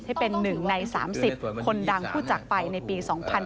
ให้เป็นหนึ่งใน๓๐คนดังผู้จากไปในปี๒๐๑๗